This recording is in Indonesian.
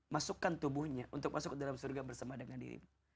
masukkan tubuhnya untuk masuk ke dalam surga bersama dengan dirimu